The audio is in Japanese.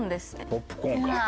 ポップコーンか。